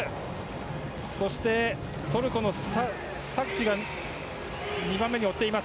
そして、トルコのサクチが２番目で追っています。